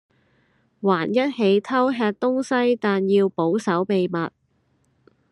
還一起偷吃東西但要保守秘密